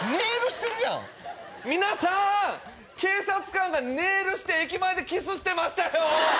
皆さん警察官がネイルして駅前でキスしてましたよ！